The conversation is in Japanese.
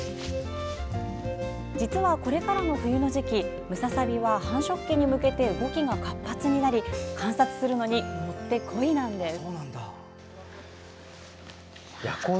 実はこれからの冬の時期ムササビは繁殖期に向けて動きが活発になり観察するのにもってこいなんです。